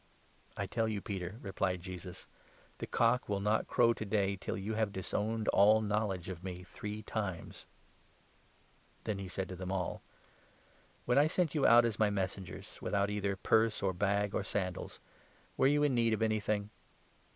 " I tell you, Peter," replied Jesus, "the cock will not crow 34 to day till you have disowned all knowledge of me three times." The Then he said to them all : 35 End at "When I sent you out as my Messengers, Hand. without either purse, or bag, or sandals, were you in need of anything